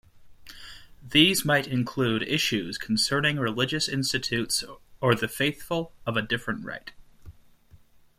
These might include issues concerning religious institutes or the faithful of a different rite.